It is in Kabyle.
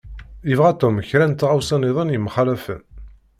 Yebɣa Tom kra n tɣawsa-nniḍen yemxalafen.